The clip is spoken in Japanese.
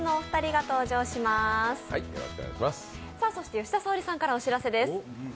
吉田沙保里さんからお知らせです。